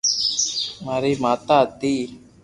ماري ماتا ھتي